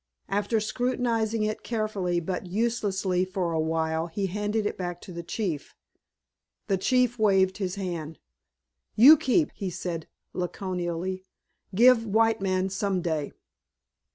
After scrutinizing it carefully but uselessly for a while he handed it back to the chief. The chief waved his hand. "You keep," he said laconically, "give white man some day."